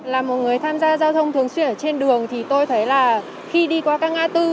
là một người tham gia giao thông thường xuyên ở trên đường thì tôi thấy là khi đi qua các ngã tư